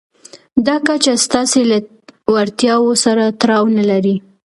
دا کچه ستاسې له وړتیاوو سره تړاو نه لري.